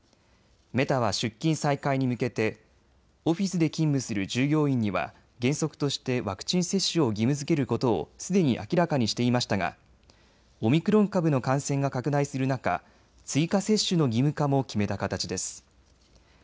メタは出勤再開に向けてオフィスで勤務する従業員には原則としてワクチン接種を義務づけることをすでに明らかにしていましたがオミクロン株の感染が拡大する中、追加接種の義務化も決めた形です。